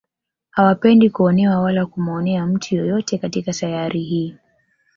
Hawapendi kuonewa wala kumuonea mtu yeyote katika sayari hii